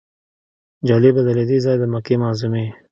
جالبه ده له دې ځایه د مکې معظمې.